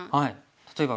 例えば。